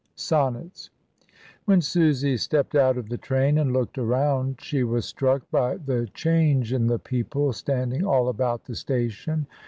... Sonnets. When Susy stepped out of the train and looked around, she was struck by the change in the people standing all about the station.